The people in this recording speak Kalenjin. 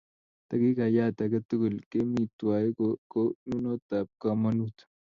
Takikayat ake tukul kemi twai kou konunot ap komonut.